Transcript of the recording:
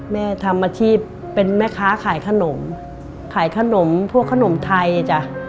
แม่ทำอาชีพเป็นแม่ค้าขายขนมขายขนมพวกขนมไทยจ้ะ